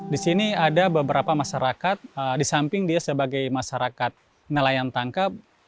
di sini ada beberapa masyarakat di samping dia sebagai masyarakat nelayan tangkap